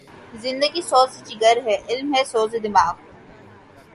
زندگی سوز جگر ہے ،علم ہے سوز دماغ